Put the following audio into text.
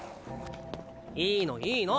いいのいいの。